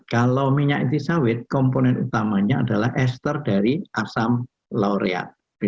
kalau minyak inti sawit komponen utamanya adalah ester dari asam laurea